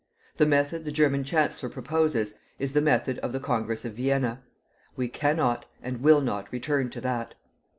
The method the German Chancellor proposes is the method of the Congress of Vienna. We cannot and will not return to that.